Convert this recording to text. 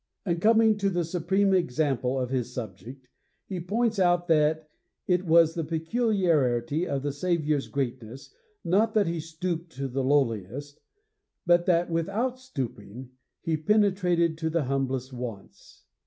And, coming to the supreme example of his subject, he points out that 'it was the peculiarity of the Saviour's greatness, not that he stooped to the lowliest, but that, without stooping, he penetrated to the humblest wants.